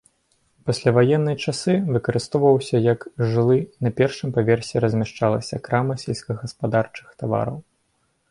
У пасляваенныя часы выкарыстоўваўся як жылы, на першым паверсе размяшчалася крама сельскагаспадарчых тавараў.